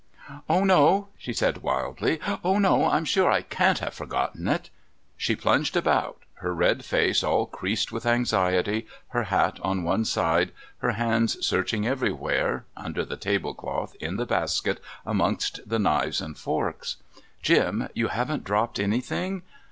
"Oh, no," she said wildly. "Oh, no! I'm sure I can't have forgotten it." She plunged about, her red face all creased with anxiety, her hat on one side, her hands searching everywhere, under the tablecloth, in the basket, amongst the knives and forks. "Jim, you haven't dropped anything?"